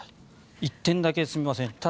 １点だけ、すみません。